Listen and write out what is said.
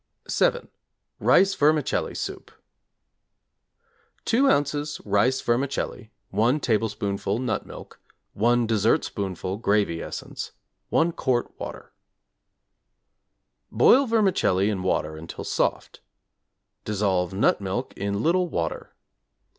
=7. Rice Vermicelli Soup= 2 ozs. rice vermicelli, 1 tablespoonful nut milk, 1 dessertspoonful gravy essence, 1 quart water. Boil vermicelli in water until soft. Dissolve nut milk in little water.